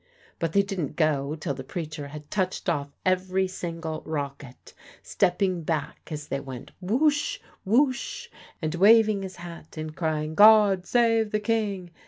But they didn't go till the preacher had touched off every single rocket, stepping back as they went whoosh! whoosh! and waving his hat and crying, "God save the King!"